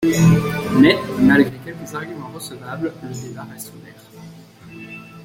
Mais, malgré quelques arguments recevables, le débat reste ouvert.